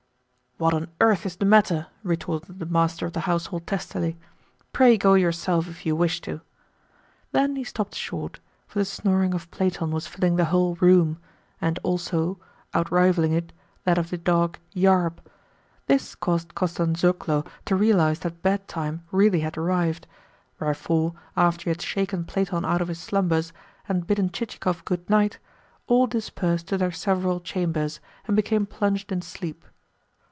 "What on earth is the matter?" retorted the master of the household testily. "Pray go yourself if you wish to." Then he stopped short, for the snoring of Platon was filling the whole room, and also outrivalling it that of the dog Yarb. This caused Kostanzhoglo to realise that bedtime really had arrived; wherefore, after he had shaken Platon out of his slumbers, and bidden Chichikov good night, all dispersed to their several chambers, and became plunged in sleep.